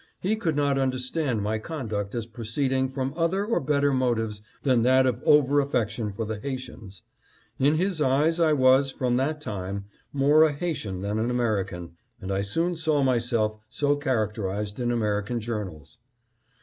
He could not understand my con duct as proceeding from other or better motives than that of over affection for the Haitians. In his eyes I was, from that time, more a Haitian than an American, and I soon saw myself so characterized in American journals.